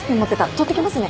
取ってきますね。